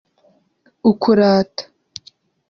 ukurata